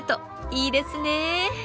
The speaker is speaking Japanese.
いいですね。